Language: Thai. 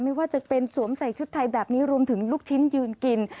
ไม่ว่าจะเป็นสวมใส่ชุดไทยแบบนี้รวมถึงลูกชิ้นยืนกิน